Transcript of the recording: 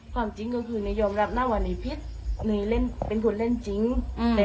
ความจริงก็คือนโยมรับหน้าวัณหิดพิษเป็นคนเล่นจริงอืม